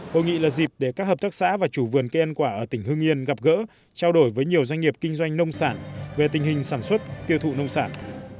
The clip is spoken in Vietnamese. hội nghị là dịp để các hợp tác xã và chủ vườn cây ăn quả ở tỉnh hưng yên gặp gỡ trao đổi với nhiều doanh nghiệp kinh doanh nông sản về tình hình sản xuất tiêu thụ nông sản